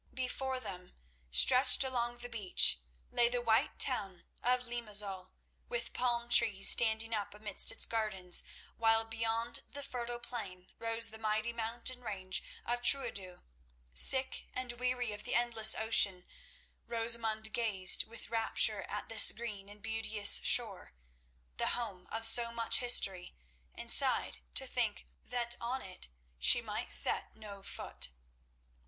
Before them, stretched along the beach, lay the white town of Limazol, with palm trees standing up amidst its gardens, while beyond the fertile plain rose the mighty mountain range of Trooidos. Sick and weary of the endless ocean, Rosamund gazed with rapture at this green and beauteous shore, the home of so much history, and sighed to think that on it she might set no foot.